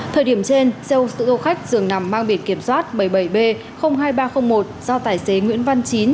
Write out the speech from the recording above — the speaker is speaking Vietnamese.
thời điểm trên xe ô tô khách dường nằm mang biển kiểm soát bảy mươi bảy b hai nghìn ba trăm linh một do tài xế nguyễn văn chín